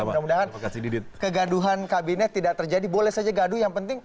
mudah mudahan kegaduhan kabinet tidak terjadi boleh saja gaduh yang penting